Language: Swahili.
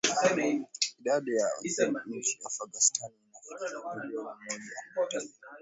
Idadi ya Uzbeks nchini Afghanistan inafikia milioni moja nukta mbili